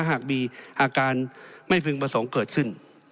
หากมีอาการไม่พึงประสงค์เกิดขึ้น